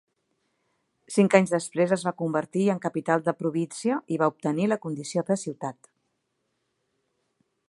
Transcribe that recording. Cinc anys després es va convertir en capital de província i va obtenir la condició de ciutat.